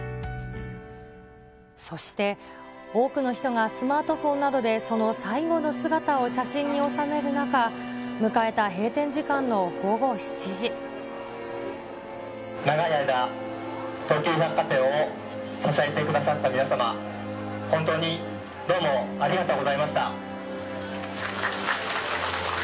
そして、多くの人がスマートフォンなどでその最後の姿を写真に収める中、長い間、東急百貨店を支えてくださった皆様、本当にどうもありがとうございました。